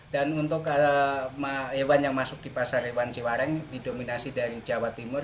untuk hewan yang masuk di pasar hewan ciwareng didominasi dari jawa timur